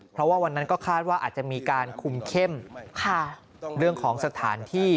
เพราะว่าวันนั้นก็คาดว่าอาจจะมีการคุมเข้มเรื่องของสถานที่